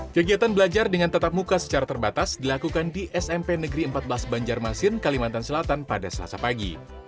kegiatan belajar dengan tetap muka secara terbatas dilakukan di smp negeri empat belas banjarmasin kalimantan selatan pada selasa pagi